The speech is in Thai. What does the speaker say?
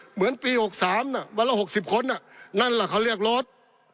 เหมือนปี๖๓น่ะวันละ๖๐คนน่ะนั่นแหละเขาเรียกลด